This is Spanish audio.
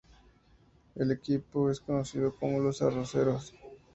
El equipo es conocido como "Los Arroceros".